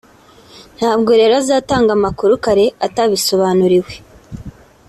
ntabwo rero azatanga amakuru kare atabisobanuriwe